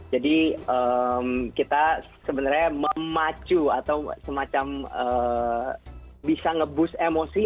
jadi kita sebenarnya memacu atau semacam bisa nge boost emosi